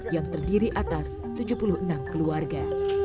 yang terdiri atas tujuh puluh enam keluarga